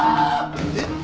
えっ？